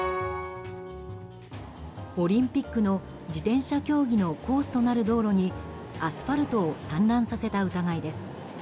オリンピックの自転車競技のコースとなる道路にアスファルトを散乱させた疑いです。